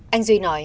anh duy nói